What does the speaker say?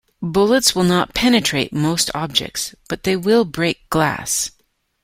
Bullets will not penetrate most objects, but they will break glass.